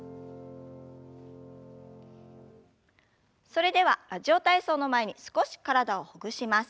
それでは「ラジオ体操」の前に少し体をほぐします。